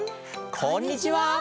こんにちは。